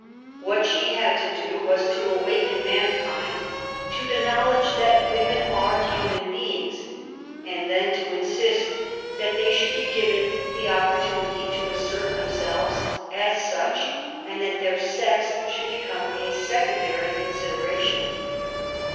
What she had to do was to awaken mankind to the knowledge that women are human beings^ and then to insist that they should be given the opportunity to assert themselves as such^ and that their sex should become a secondary consideration.